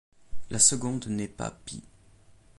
La seconde n'est pas pie.